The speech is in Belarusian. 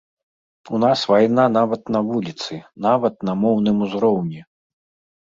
У нас вайна нават на вуліцы, нават на моўным узроўні!